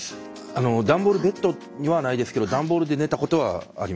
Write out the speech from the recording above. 段ボールベッドにはないですけど段ボールで寝たことはあります。